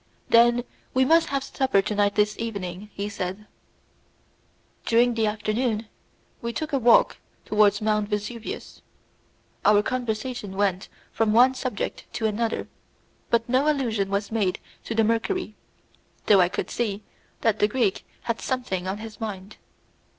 "Then we must have supper together this evening," he said. During the afternoon we took a walk towards Mount Vesuvius. Our conversation went from one subject to another, but no allusion was made to the mercury, though I could see that the Greek had something on his mind.